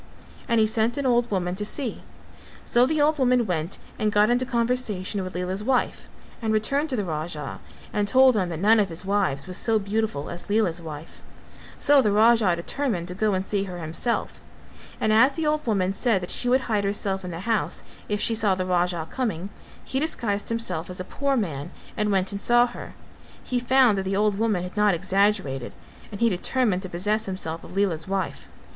And he sent an old woman to see; so the old woman went and got into conversation with Lela's wife and returned to the Raja and told him that none of his wives was so beautiful as Lela's wife; so the Raja determined to go and see her himself, and as the old woman said that she would hide herself in the house if she saw the Raja coming, he disguised himself as a poor man and went and saw her; he found that the old woman had not exaggerated and he determined to possess himself of Lela's wife.